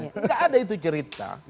enggak ada itu cerita